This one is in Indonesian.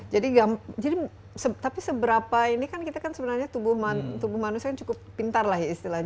jadi tapi seberapa ini kan kita kan sebenarnya tubuh manusia cukup pintar lah ya istilahnya